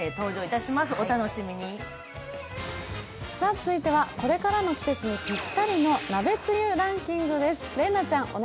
続いては、これからの季節にぴったりの鍋つゆランキングです。